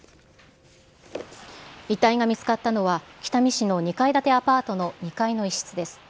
遺体が見つかったのは、北見市の２階建てアパートの２階の一室です。